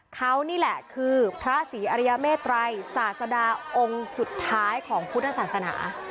เขานี่แหละคือพระศรีอริยเมตรัยศาสดาองค์สุดท้ายของพุทธศาสนา